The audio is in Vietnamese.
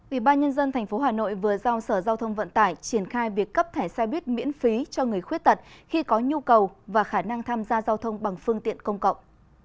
ủy ban nhân dân tp hà nội vừa giao sở giao thông vận tải triển khai việc cấp thẻ xe buýt miễn phí cho người khuyết tật khi có nhu cầu và khả năng tham gia giao thông bằng phương tiện công cộng